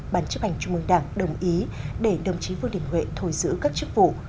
bàn chấp hành trung ương đảng đồng ý để đồng chí vương đình huệ thôi giữ các chức vụ